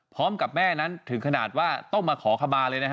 พร้อมกับแม่นั้นถึงขนาดว่าต้องมาขอขมาเลยนะฮะ